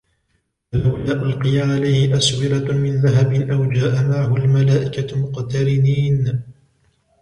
فَلَوْلَا أُلْقِيَ عَلَيْهِ أَسْوِرَةٌ مِنْ ذَهَبٍ أَوْ جَاءَ مَعَهُ الْمَلَائِكَةُ مُقْتَرِنِينَ